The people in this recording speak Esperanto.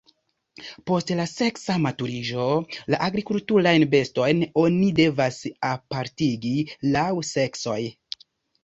Post la seksa maturiĝo la agrikulturajn bestojn oni devas apartigi laŭ seksoj.